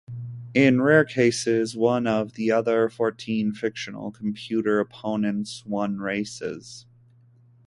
In rare cases, one of the other fourteen fictional computer opponents won races.